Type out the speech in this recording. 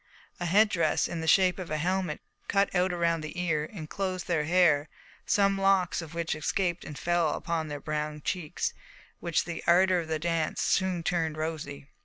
A head dress, in the shape of a helmet cut out around the ear, enclosed their hair, some locks of which escaped and fell upon their brown cheeks, which the ardour of the dance soon turned rosy.